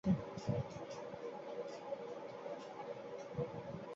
অক্সিজেনের পরিমাণ কমে যাওয়ায় আপনার ছেলেকে ভেন্টিলেটরে নেয়া হয়েছে।